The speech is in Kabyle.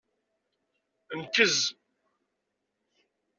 Nkeẓ.